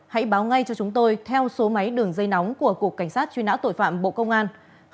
hãy báo ngay cho chúng tôi theo số máy đường dây nóng của cục cảnh sát truy nã tội phạm bộ công an